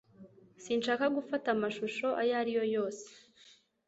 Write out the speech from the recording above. Sinshaka gufata amashusho ayo ari yo yose